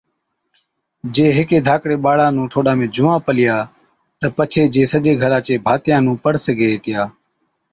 جي هيڪي ڌاڪڙي ٻاڙا نُون ٺوڏا ۾ جُوئان پلِيا تہ پڇي جي سجي گھرا چي ڀاتِيا نُون پڙ سِگھي هِتِيا